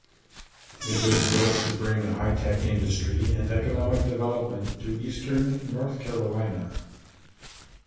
It was built to bring high-tech industry and economic development to eastern North Carolina.